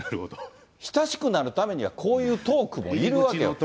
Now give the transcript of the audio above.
親しくなるためにはこういうトークもいるわけよ。